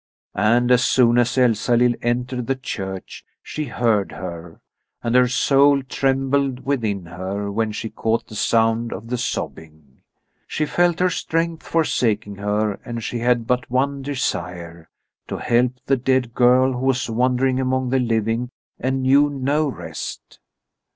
And as soon as Elsalill entered the church she heard her, and her soul trembled within her when she caught the sound of the sobbing. She felt her strength forsaking her and she had but one desire to help the dead girl who was wandering among the living and knew no rest.